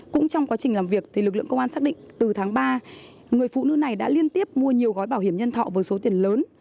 cũng trong quá trình làm việc lực lượng công an xác định từ tháng ba người phụ nữ này đã liên tiếp mua nhiều gói bảo hiểm nhân thọ với số tiền lớn